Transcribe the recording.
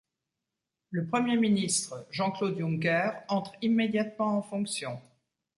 Le Premier ministre Jean-Claude Juncker entre immédiatement en fonction.